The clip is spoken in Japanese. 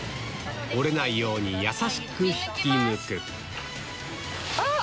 折れないように優しく引き抜くあっ！